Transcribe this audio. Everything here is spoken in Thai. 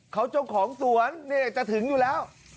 เขาเจ้าของสวนนี่จะถึงอยู่แล้ว